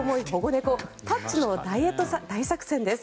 猫パッチのダイエット大作戦です。